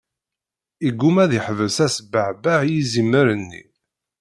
Iguma ad iḥbes asbeɛbeɛ yizimer-nni.